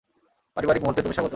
পারিবারিক মূহুর্তে তুমি স্বাগত।